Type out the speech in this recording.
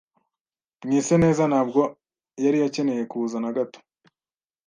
Mwiseneza ntabwo yari akeneye kuza na gato.